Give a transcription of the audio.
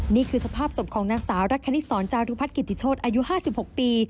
นี่คือสภาพศพของนางสาวรัฐคณิตศรจารุพัฒนกิติโชธอายุ๕๖ปี